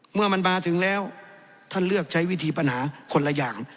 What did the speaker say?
เมื่อมันมาถึงแล้วท่านเลือกใช้วิธีปัญหาคนละอย่าง